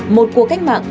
một cuộc cách mạng